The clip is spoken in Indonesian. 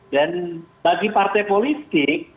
dan bagi partai politik